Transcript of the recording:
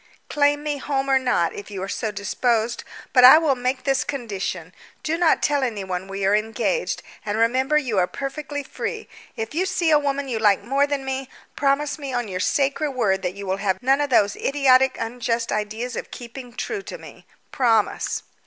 "Claim me, home or not, if you are so disposed, but I will make this condition. Do not tell anyone we are engaged, and remember you are perfectly free. If you see a woman you like more than me, promise me on your sacred word that you will have none of those idiotic unjust ideas of keeping true to me. Promise."